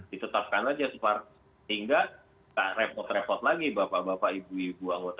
ditetapkan aja supaya hingga tidak repot repot lagi bapak bapak ibu ibu anggota